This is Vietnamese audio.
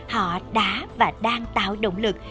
họ đã và đang tạo động lực